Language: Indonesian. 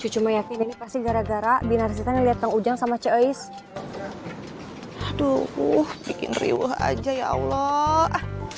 cuman yakin pasti gara gara binar setan lihat ujang sama ceis aduh bikin riwah aja ya allah